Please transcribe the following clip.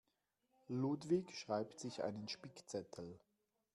Ludwig schreibt sich einen Spickzettel.